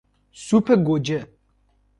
سوپ گوجه